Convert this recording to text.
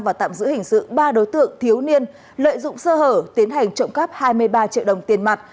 và tạm giữ hình sự ba đối tượng thiếu niên lợi dụng sơ hở tiến hành trộm cắp hai mươi ba triệu đồng tiền mặt